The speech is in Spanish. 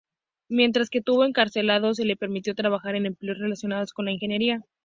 Mientras que estuvo encarcelado, se le permitió trabajar en empleos relacionados con la ingeniería.